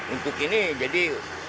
untuk ini jadi